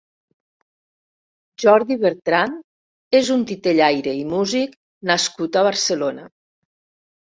Jordi Bertran és un titellaire i músic nascut a Barcelona.